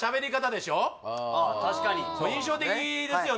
確かに印象的ですよね